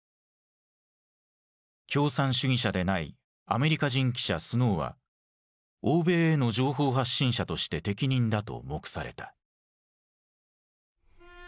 共産主義者でないアメリカ人記者スノーは欧米への情報発信者として適任だと目された。